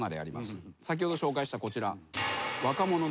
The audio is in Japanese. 先ほど紹介したこちら。